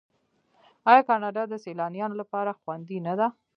آیا کاناډا د سیلانیانو لپاره خوندي نه ده؟